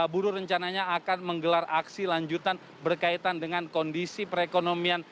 buruh rencananya akan menggelar aksi lanjutan berkaitan dengan kondisi perekonomian